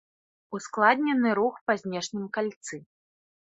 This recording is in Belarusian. Ускладнены рух па знешнім кальцы.